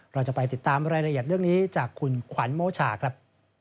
เราจะไปติดตามรายละเอียดเรื่องนี้จากคุณขวัญโมชาครับ